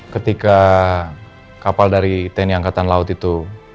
ketika kapal dari tni angkatan laut itu